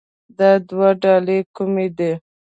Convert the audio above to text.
دا دوه ډلې کومې دي